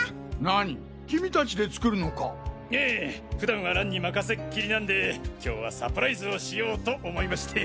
普段は蘭に任せっきりなんで今日はサプライズをしようと思いまして。